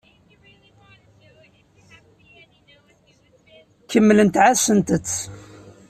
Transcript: Kemmlemt ɛassemt-t.